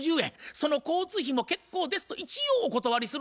「その交通費も結構です」と一応お断りする。